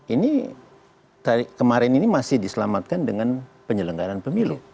ini kemarin ini masih diselamatkan dengan penyelenggaran pemilu